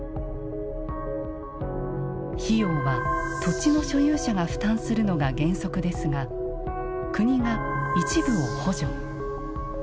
費用は土地の所有者が負担するのが原則ですが国が一部を補助。